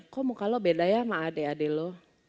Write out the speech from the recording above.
kok muka lo beda ya sama adik adik lo